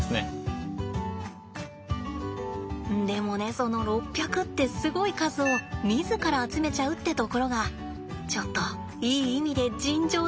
その６００ってすごい数を自ら集めちゃうってところがちょっといい意味で尋常じゃないっていうかさ。